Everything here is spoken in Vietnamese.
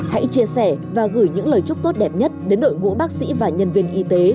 hãy chia sẻ và gửi những lời chúc tốt đẹp nhất đến đội ngũ bác sĩ và nhân viên y tế